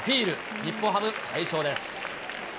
日本ハム、快勝です。